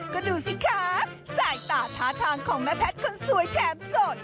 ก็ดูสิครับสายตาท่าทางของแม่แพทย์คนสวยแถมโสด